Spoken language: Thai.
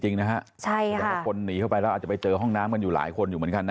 ตอนนั้นต้องสติกันจริงนะฮะคนหนีเข้าไปแล้วอาจจะไปเจอห้องน้ำกันอยู่หลายคนอยู่เหมือนกันนะ